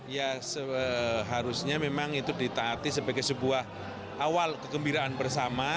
ya seharusnya memang itu ditaati sebagai sebuah awal kegembiraan bersama